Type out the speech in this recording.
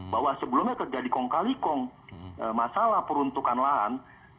bahwa sebelumnya terjadi kong kali kong masalah peruntukan lahan